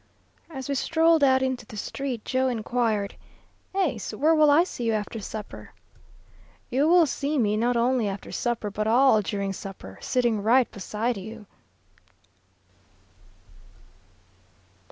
As we strolled out into the street, Joe inquired, "Ace, where will I see you after supper?" "You will see me, not only after supper, but all during supper, sitting right beside you."